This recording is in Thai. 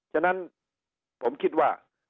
ฉะนั้นผมคิดว่า